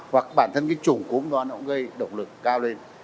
hoặc bản thân cái chủng cúm đó nó cũng gây động lực cao lên